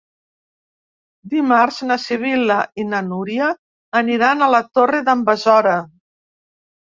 Dimarts na Sibil·la i na Núria aniran a la Torre d'en Besora.